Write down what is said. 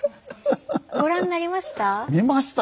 ご覧になりました？